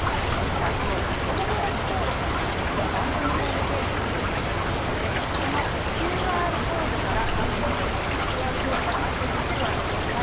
お友達登録の案内は番組ホームページに掲載していますので画面左下のＱＲコードからアクセスしてください。